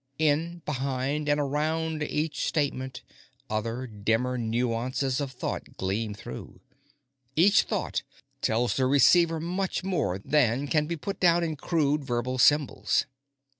In, behind, and around each statement, other, dimmer nuances of thought gleam through. Each thought tells the receiver much more than can be put down in crude verbal symbols.